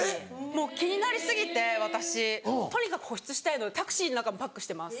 もう気になり過ぎて私とにかく保湿したいのでタクシーの中もパックしてます。